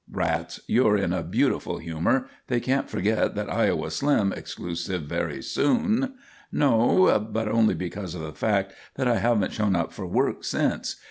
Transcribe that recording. "Rats. You're in a beautiful humour. They can't forget that Iowa Slim exclusive very soon." "No; but only because of the fact that I haven't shown up for work since.